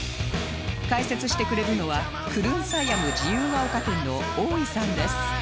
解説してくれるのはクルン・サイアム自由が丘店のオーイさんです